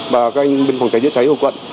và các anh bên phòng cháy chữa cháy hồ quận